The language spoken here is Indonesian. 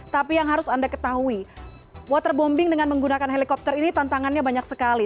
tapi yang harus anda ketahui waterbombing dengan menggunakan helikopter ini tantangannya banyak sekali